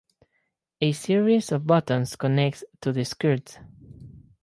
A series of buttons connects to the skirt.